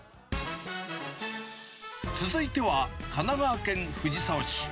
続いては、神奈川県藤沢市。